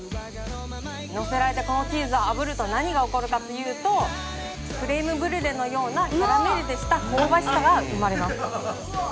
のせられたこのチーズをあぶると何が起こるかというとクリームブリュレのようなキャラメリゼした香ばしさが生まれます。